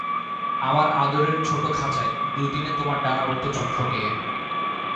আমার আদরের ছোটো খাঁচায় দুদিনে তোমার ডানা উঠত ছটফটিয়ে।